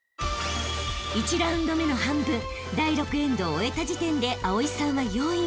［１ラウンド目の半分第６エンドを終えた時点で蒼さんは４位］